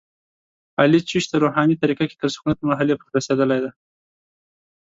علي چشتیه روحاني طریقه کې تر سکونت مرحلې پورې رسېدلی دی.